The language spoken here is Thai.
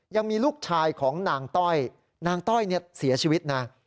ยังมีลูกชายของนางต้อยนางต้อยเสียชีวิตนะ